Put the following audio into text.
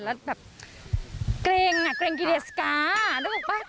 แล้วแบบเกร็งอะเกร็งกิเดสการู้หรือเปล่า